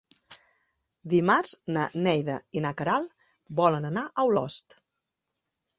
Dimarts na Neida i na Queralt volen anar a Olost.